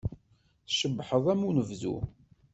Tcebḥeḍ am unebdu.